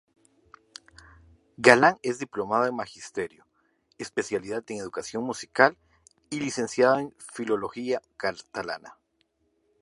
Galan es diplomado en Magisterio —especialidad en Educación Musical— y licenciado en Filología Catalana.